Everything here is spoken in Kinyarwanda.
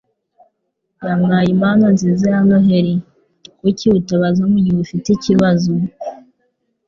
yampaye impano nziza ya Noheri. Kuki utabaza mugihe ufite ikibazo?